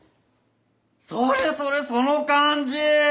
それそれその感じ！